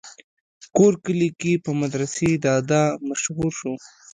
کور کلي کښې پۀ مدرسې دادا مشهور شو